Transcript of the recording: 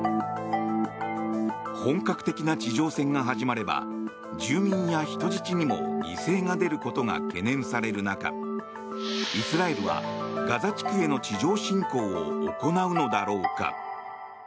本格的な地上戦が始まれば住民や人質にも犠牲が出ることが懸念される中イスラエルはガザ地区への地上侵攻を行うのだろうか。